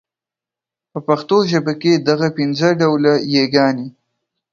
په پښتو ژبه کي دغه پنځه ډوله يې ګاني